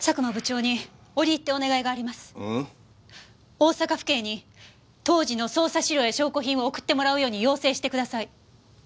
大阪府警に当時の捜査資料や証拠品を送ってもらうように要請してください。